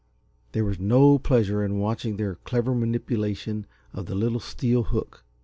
There was no pleasure in watching their clever manipulation of the little, steel hook.